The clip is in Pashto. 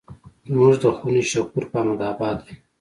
زموږ د خونې شکور په احمد اباد دی.